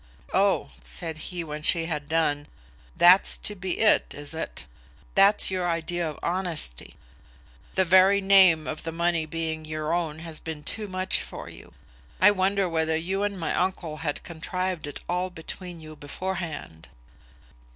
"Oh," said he, when she had done, "That's to be it; is it? That's your idea of honesty. The very name of the money being your own has been too much for you. I wonder whether you and my uncle had contrived it all between you beforehand?"